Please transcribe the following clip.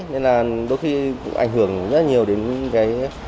nên là đôi khi cũng ảnh hưởng rất nhiều đến cái